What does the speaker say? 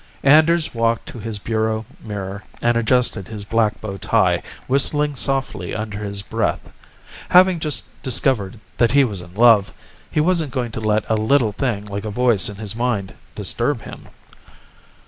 Anders walked to his bureau mirror and adjusted his black bow tie, whistling softly under his breath. Having just discovered that he was in love, he wasn't going to let a little thing like a voice in his mind disturb him.